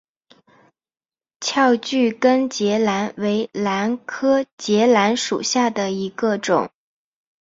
翘距根节兰为兰科节兰属下的一个种。